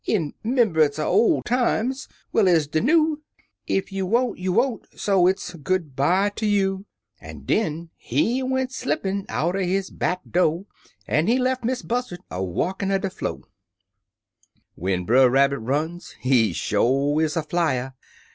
In 'membunce er ol' times, well ez de new; Ef you won't you won't, so it's good by ter you !" An' den he went slippin' outer his back do', An he leP Miss Buzzard a walkin' er de flo*. When Brer Rabbit runs he sho' is a flyer.